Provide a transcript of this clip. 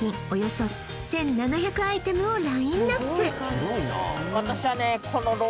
およそ１７００アイテムをラインナップ私はね